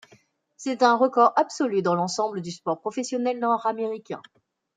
C'est un record absolu dans l'ensemble du sport professionnel nord-américain.